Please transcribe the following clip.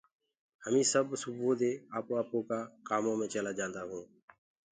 همي سب سُبوُئو دي آپو آپو ڪآ ڌندآ مي چيلآ جانٚدآ هونٚ